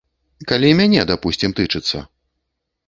Калі мяне, дапусцім, тычыцца.